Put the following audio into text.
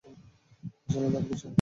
আসলে, তারা খুশি হবে।